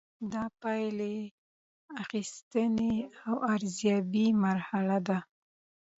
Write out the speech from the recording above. دا د پایلې اخیستنې او ارزیابۍ مرحله ده.